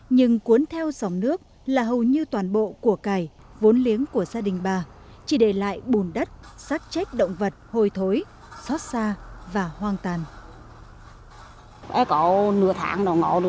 nhưng cuốn theo dòng nước là hầu như toàn bộ của cải vốn liếng của gia đình bà chỉ để lại bùn đất sát chết động vật hồi thối xót xa và hoang tàn